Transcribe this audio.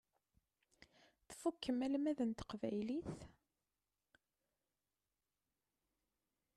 Tfukkem almad n teqbaylit?